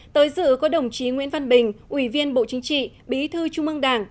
tới dự có đồng chí nguyễn văn bình ủy viên bộ chính trị bí thư trung ương đảng